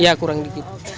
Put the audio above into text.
iya kurang dikit